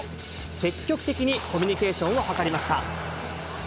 積極的にコミュニケーションを図りました。